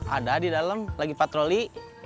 ada di dalam lagi patroli